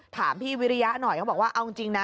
ถามพี่วิริยะหน่อยเขาบอกว่าเอาจริงนะ